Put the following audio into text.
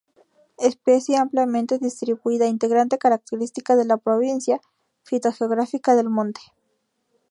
Especie ampliamente distribuida, integrante característica de la Provincia fitogeográfica del Monte.